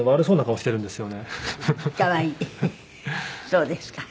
そうですか。